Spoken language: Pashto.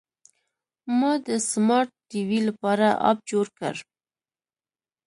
ما د سمارټ ټي وي لپاره اپ جوړ کړ.